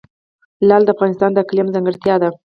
لعل د افغانستان د اقلیم ځانګړتیا ده.